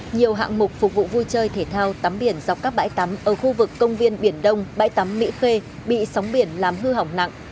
nhiều hạng mục phục vụ vui chơi thể thao tắm biển dọc các bãi tắm ở khu vực công viên biển đông bãi tắm mỹ khê bị sóng biển làm hư hỏng nặng